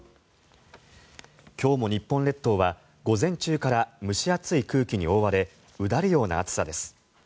今日も日本列島は午前中から蒸し暑い空気に覆われうだるような暑さです。